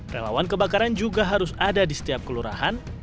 relawan kebakaran juga harus ada di setiap kelurahan